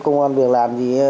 những người vận chuyển hàng hóa